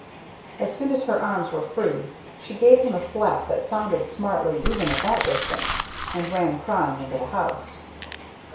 As soon as her arms were free she gave him a slap that sounded smartly even at that distance; and ran crying into the house.